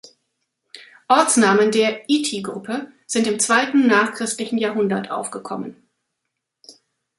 Ortsnamen der "-ithi"-Gruppe sind im zweiten nachchristlichen Jahrhundert aufgekommen.